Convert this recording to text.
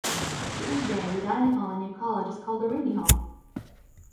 To this day, the dining Hall in New College is called the Rainy Hall.